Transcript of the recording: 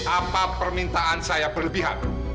apa permintaan saya berlebihan